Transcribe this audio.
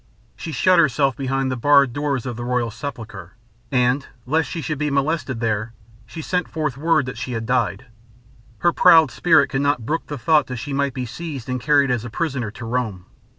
She shut herself behind the barred doors of the royal sepulcher; and, lest she should be molested there, she sent forth word that she had died. Her proud spirit could not brook the thought that she might be seized and carried as a prisoner to Rome.